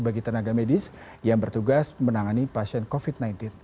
bagi tenaga medis yang bertugas menangani pasien covid sembilan belas